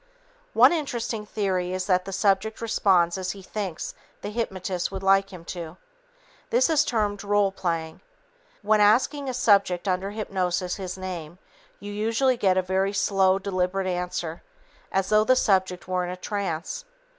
One interesting theory is that the subject responds as he thinks the hypnotist would like him to. This is termed "role playing." When asking a subject under hypnosis his name, you usually get a very slow, deliberate answer, as though the subject were in a trance.